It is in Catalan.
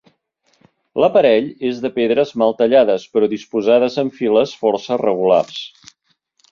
L'aparell és de pedres mal tallades però disposades en files força regulars.